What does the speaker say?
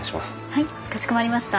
はいかしこまりました。